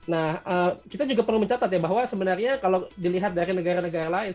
nah kita juga perlu mencatat ya bahwa sebenarnya kalau dilihat dari negara negara lain